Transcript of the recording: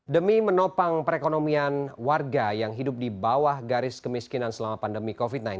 demi menopang perekonomian warga yang hidup di bawah garis kemiskinan selama pandemi covid sembilan belas